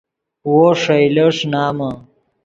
وو ݰئیلے ݰینامے